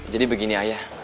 jadi begini ayah